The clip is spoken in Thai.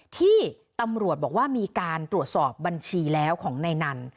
ที่ตำรวจบอกว่ามีการตรวจสอบบัญชีแล้วของนายนัน